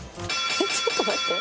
ちょっと待って。